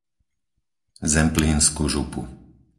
Zemplínsku župu